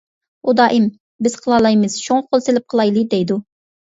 ئۇ دائىم: «بىز قىلالايمىز، شۇڭا قول سېلىپ قىلايلى» دەيدۇ.